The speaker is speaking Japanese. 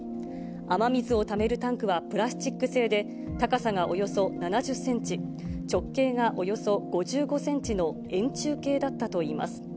雨水をためるタンクはプラスチック製で、高さがおよそ７０センチ、直径がおよそ５５センチの円柱形だったといいます。